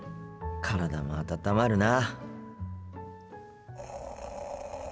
体も温まるな。